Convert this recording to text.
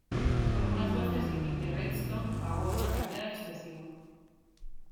Algunas voces dicen que Redstone pagó una cantidad excesiva.